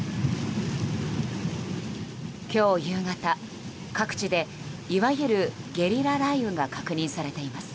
今日夕方各地で、いわゆるゲリラ雷雨が確認されています。